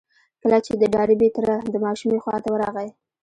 کله چې د ډاربي تره د ماشومې خواته ورغی.